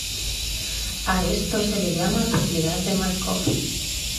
A esto se le llama propiedad de Márkov.